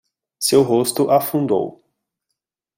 Seu rosto afundou